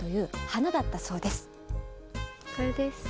これです。